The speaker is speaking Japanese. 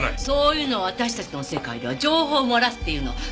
そういうのを私たちの世界では「情報を漏らす」って言うの。